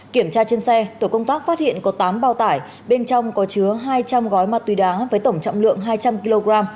kiểm tra trên xe tổ công tác phát hiện có tám bao tải bên trong có chứa hai trăm linh gói ma túy đá với tổng trọng lượng hai trăm linh kg